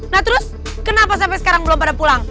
nah terus kenapa sampai sekarang belum pada pulang